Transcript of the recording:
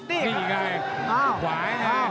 นี่ไงขวาย